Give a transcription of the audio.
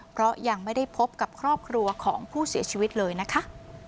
เพราะยังไม่ได้พบกับครอบครัวของผู้เสียชีวิตเลยนะคะ